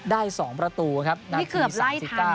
ได้๒ประตูครับนาที๓๙